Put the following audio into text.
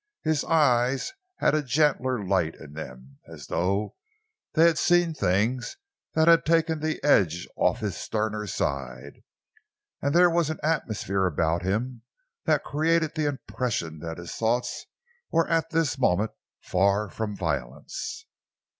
His eyes had a gentler light in them—as though they had seen things that had taken the edge off his sterner side; and there was an atmosphere about him that created the impression that his thoughts were at this moment far from violence.